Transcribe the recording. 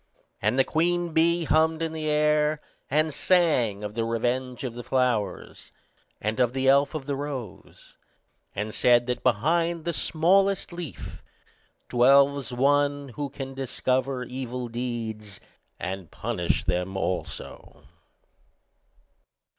And the queen bee hummed in the air, and sang of the revenge of the flowers, and of the elf of the rose and said that behind the smallest leaf dwells One, who can discover evil deeds, and punish them also.